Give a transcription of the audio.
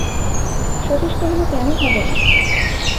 সতীশ কহিল, কেন হবে না?